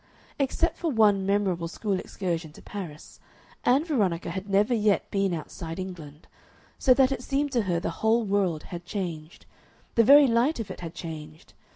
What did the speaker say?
Except for one memorable school excursion to Paris, Ann Veronica had never yet been outside England. So that it seemed to her the whole world had changed the very light of it had changed.